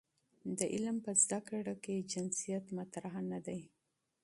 د علم په زده کړه کې جنسیت مطرح نه دی.